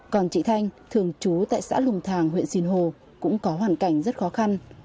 còn chị thanh thường trú tại xã lùng thàng huyện sinh hồ cũng có hoàn cảnh rất khó khăn